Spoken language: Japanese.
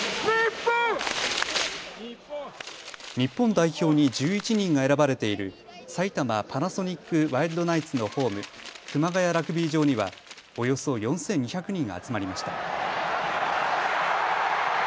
日本代表に１１人が選ばれている埼玉パナソニックワイルドナイツのホーム、熊谷ラグビー場にはおよそ４２００人が集まりました。